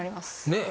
ねえ。